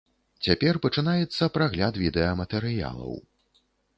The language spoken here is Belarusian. Цяпер пачынаецца прагляд відэаматэрыялаў.